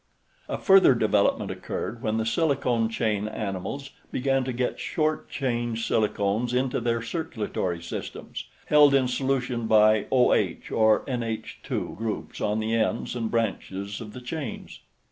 A further development occurred when the silicone chain animals began to get short chain silicones into their circulatory systems, held in solution by OH or NH_ groups on the ends and branches of the chains.